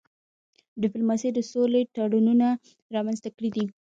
ډيپلوماسی د سولي تړونونه رامنځته کړي دي.